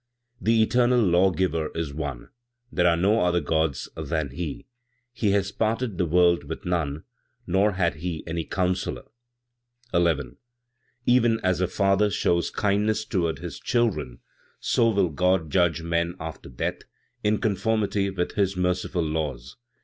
"The eternal Lawgiver is One; there are no other Gods than He; He has parted the world with none, nor had He any counsellor. 11. "Even as a father shows kindness toward his children, so will God judge men after death, in conformity with His merciful laws.